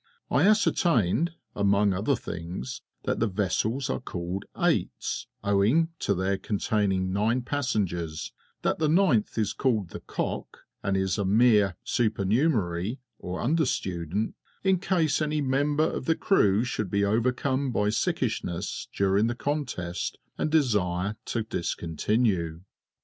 I ascertained, among other things, that the vessels are called "eights," owing to their containing nine passengers; that the ninth is called the "cock," and is a mere supernumerary or understudent, in case any member of the crew should be overcome by sickishness during the contest and desire to discontinue.